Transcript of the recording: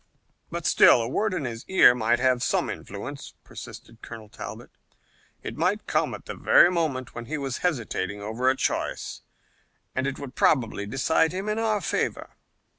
"But still a word in his ear might have some influence," persisted Colonel Talbot. "It might come at the very moment when he was hesitating over a choice, and it would probably decide him in our favor."